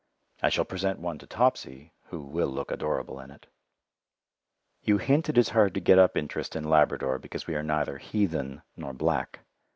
I shall present one to Topsy, who will look adorable in it. You hint it is hard to get up interest in Labrador because we are neither heathen nor black.